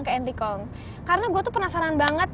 ke antikong karena gue tuh penasaran banget